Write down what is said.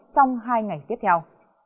trong hai ngày tiếp theo